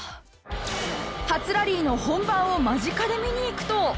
初ラリーの本番を間近で見に行くと